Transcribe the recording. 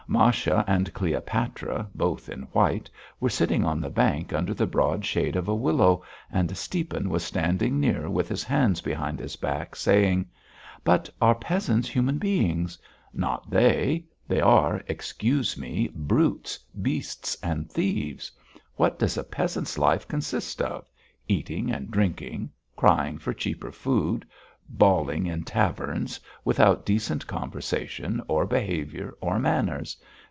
Masha and Cleopatra, both in white, were sitting on the bank under the broad shade of a willow and Stiepan was standing near with his hands behind his back, saying: "But are peasants human beings? Not they; they are, excuse me, brutes, beasts, and thieves. What does a peasant's life consist of? Eating and drinking, crying for cheaper food, bawling in taverns, without decent conversation, or behaviour or manners.